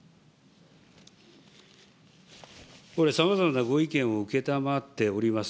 これ、さまざまなご意見を承っております。